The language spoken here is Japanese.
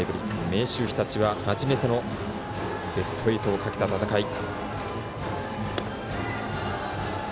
明秀日立は初めてのベスト８をかけた戦い。